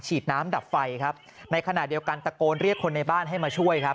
ฉีดน้ำดับไฟครับในขณะเดียวกันตะโกนเรียกคนในบ้านให้มาช่วยครับ